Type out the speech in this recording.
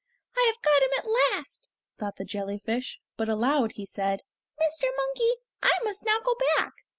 "I have got him at last!" thought the jellyfish, but aloud he said: "Mr. Monkey, I must now go back.